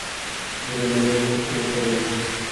مونږه مڼې وخوړلې.